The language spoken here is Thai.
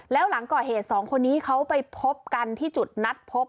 แล้วหลังก่อเหตุสองคนนี้เขาไปพบกันที่จุดนัดพบ